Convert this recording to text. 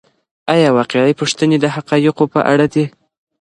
آيا واقعي پوښتنې د حقایقو په اړه دي؟